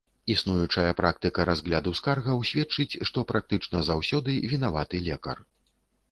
Існуючая практыка разгляду скаргаў сведчыць, што практычна заўсёды вінаваты лекар.